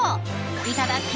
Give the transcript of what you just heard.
いただき！